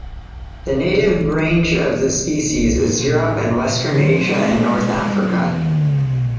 The native range of the species is Europe and Western Asia and North Africa.